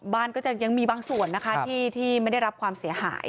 บ้านก็จะยังมีบางส่วนนะคะที่ไม่ได้รับความเสียหาย